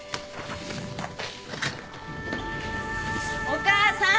お母さん！